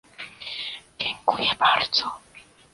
Dziękuję bardzo!